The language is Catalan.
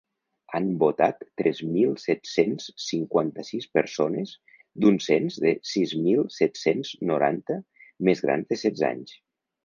Han votat tres mil set-cents cinquanta-sis persones d’un cens de sis mil set-cents noranta més grans de setze anys.